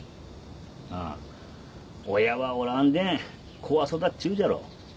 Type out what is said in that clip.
あっ親はおらんでん子は育っち言うじゃろ。